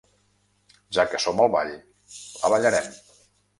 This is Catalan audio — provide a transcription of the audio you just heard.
Ja que som al ball, la ballarem.